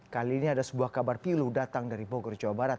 kali ini ada sebuah kabar pilu datang dari bogor jawa barat